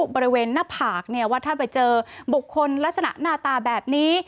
บริเวณหน้าผากเนี่ยว่าถ้าไปเจอบุคคลลักษณะหน้าตาแบบนี้